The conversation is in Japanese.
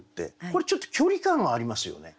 これちょっと距離感がありますよね。